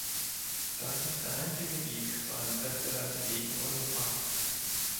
Das ist der einzige Weg zu einem wettbewerbsfähigen Europa.